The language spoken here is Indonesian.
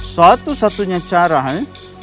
satu satunya cara hei